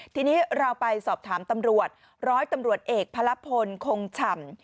ทีนี้เราไปสอบถามตำรวจร้อยตำรวจเอกพระพลคงฉ่ำ